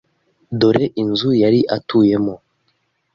Dore inzu yari atuyemo.